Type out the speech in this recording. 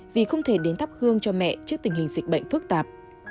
vì không thể đến thắp hương cho mẹ trước tình hình dịch bệnh phức tạp